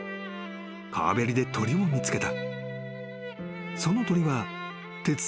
［川べりで鳥を見つけた］